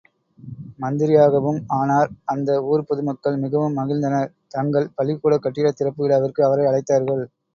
மந்திரியாகவும் ஆனார். அந்த ஊர்ப் பொதுமக்கள் மிகவும் மகிழ்ந்தனர் தங்கள் பள்ளிக்கூடக் கட்டிடத் திறப்பு விழாவிற்கு அவரை அழைத்தார்கள்.